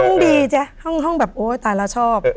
ดีจ้ะห้องแบบโอ๊ยตายแล้วชอบ